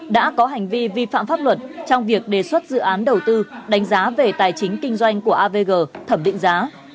đã có hành vi vi phạm pháp luật trong việc đề xuất dự án đầu tư đánh giá về tài chính kinh doanh của avg thẩm định giá